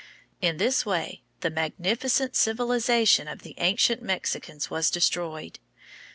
In this way the magnificent civilization of the ancient Mexicans was destroyed.